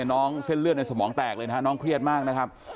น้องเส้นเลือดในสมองแตกเลยนะฮะน้องเครียดมากนะครับ